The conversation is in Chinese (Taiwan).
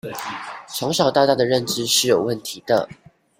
從小到大的認知是有問題的